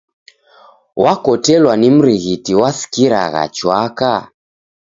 Wakotelwa ni mrighiti wasikiragha chwaka?